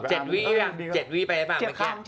เจ็ดวีไปหรือเปล่า